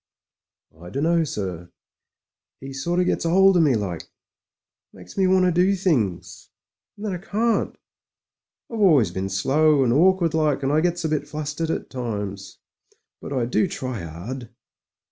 "I dunno, sir. 'E sort of gets 'old of me, like. Makes me want to do things — ^and then I can't. I've always been slow and awkward like, and I gets a \nt flustered at times. But I do try 'ard."